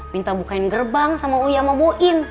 minta bukain gerbang sama uya sama buin